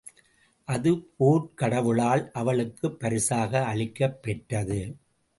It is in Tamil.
அது போர்க்கடவுளால் அவளுக்குப் பரிசாக அளிக்கப் பெற்றது.